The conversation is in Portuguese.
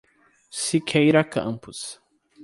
Siqueira Campos